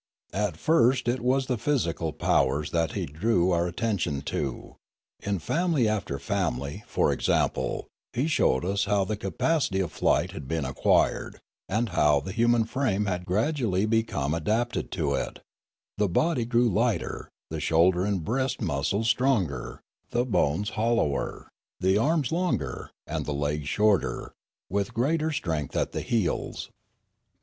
At first it was the physical powers that he drew our attention to; in family after family, for example, he showed us how the capacity of flight had been acquired, and how the hu man frame had gradually become adapted to it; the body grew lighter, the shoulder and breast muscles stronger, the bones hollower, the arms longer, and the legs shorter, with greater strength at the heels.